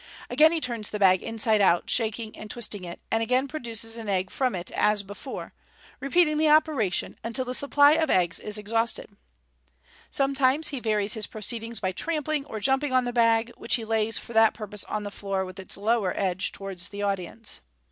Again he turns the bag inside out, shaking and twisting it, and again produces an egg from it as before, repeating the operation until the supply of eggs is ex hausted. Sometimes he varies his proceedings by trampling or jumping on the bag, which he lays for that purpose on the floor, with its lower edge towards the audience.